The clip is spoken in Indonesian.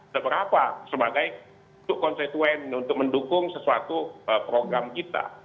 seberapa sebagai konstituen untuk mendukung sesuatu program kita